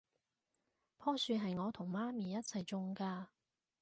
樖樹係我同媽咪一齊種㗎